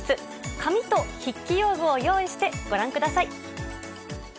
紙と筆記用具を用意してご覧ください。